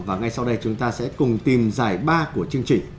và ngay sau đây chúng ta sẽ cùng tìm giải ba của chương trình